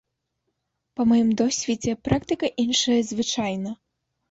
Па маім досведзе практыка іншая звычайна.